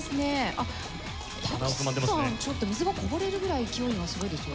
あっ多久さん水がこぼれるぐらい勢いがすごいですよ。